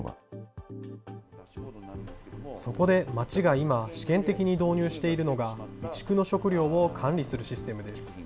今、試験的に導入しているのが、備蓄の食料を管理するシステムです。